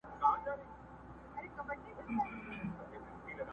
څه د بمونو څه توپونو په زور ونړیږي،